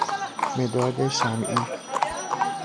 مداد شمعی